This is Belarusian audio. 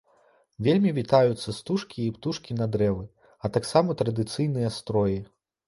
Вельмі вітаюцца стужкі і птушкі на дрэвы, а таксама традыцыйныя строі.